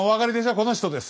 この人です。